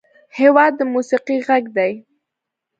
هېواد د موسیقۍ غږ دی.